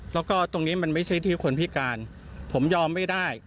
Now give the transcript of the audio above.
แล้วก็ตรงนี้มันไม่ใช่ที่คนพิการผมยอมไม่ได้